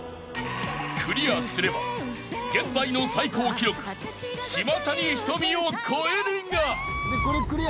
［クリアすれば現在の最高記録島谷ひとみを超えるが］